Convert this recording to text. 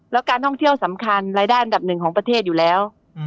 แล้วการท่องเที่ยวสำคัญรายได้อันดับหนึ่งของประเทศอยู่แล้ว